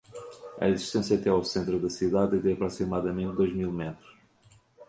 A distância até o centro da cidade é de aproximadamente dois mil metros.